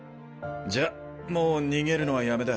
じゃあもう逃げるのはやめだ。